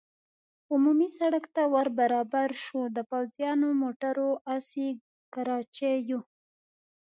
عمومي سړک ته ور برابر شو، د پوځیانو، موټرو، اسي کراچیو.